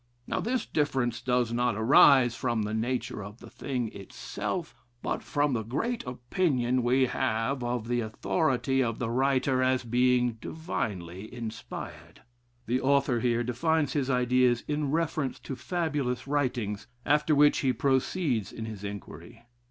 Now, this difference does not arise from the nature of the thing itself, but from the great opinion we have of the authority of the writer 'as being divinely inspired.' The author here defines his ideas in reference to fabulous writings, after which he proceeds in his inquiry.